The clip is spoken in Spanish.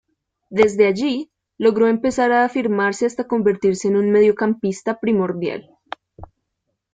Desde allí, logró empezar a afirmarse hasta convertirse en un mediocampista primordial.